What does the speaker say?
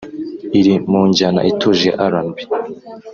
Iri mu njyana ituje ya R’n’B